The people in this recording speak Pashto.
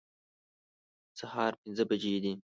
سهار پنځه بجې دي